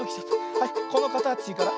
はいこのかたちから。